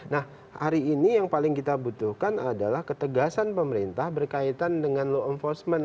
nah hari ini yang paling kita butuhkan adalah ketegasan pemerintah berkaitan dengan law enforcement